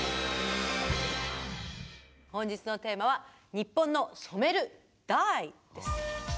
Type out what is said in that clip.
本日のテーマは日本の染める、Ｄｙｅ！